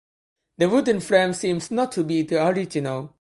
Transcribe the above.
The wooden frame seems not to be the original.